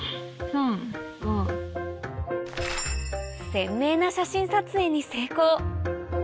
鮮明な写真撮影に成功